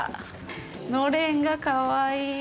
のれんがかわいい。